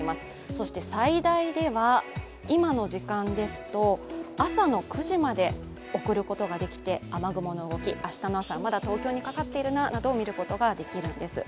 そして最大では今の時間ですと朝の９時まで送ることができて雨雲の動き、明日の朝はまだ東京にかかっているななど見ることができるんです。